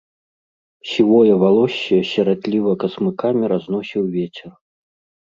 Сівое валоссе сіратліва касмыкамі разносіў вецер.